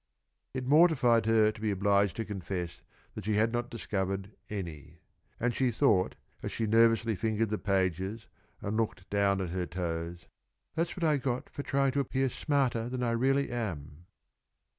It mortified her to be obliged to confess that she had not discovered any, and she thought, as she nervously fingered the pages and looked down at her toes, "That's what I got for trying to appear smarter than I really am."